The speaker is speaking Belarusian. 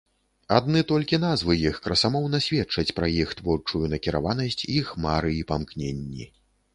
Адны толькі назвы іх красамоўна сведчаць пра іх творчую накіраванасць, іх мары і памкненні.